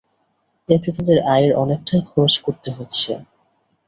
এতে তাদের আয়ের অনেকটাই খরচ করতে হচ্ছে।